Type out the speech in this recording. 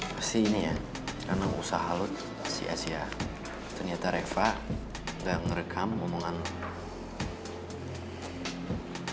pasti ini ya klo usah halut si asia ternyata reva gak nerekam ngomonganfit